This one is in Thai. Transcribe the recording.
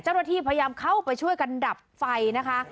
เจ้าหน้าที่พยายามเข้าไปช่วยกันดับไฟนะคะ